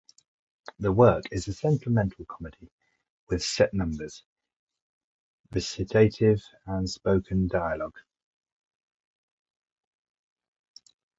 The work is a sentimental comedy with set numbers, recitative and spoken dialog.